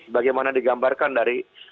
bagaimana digambarkan dari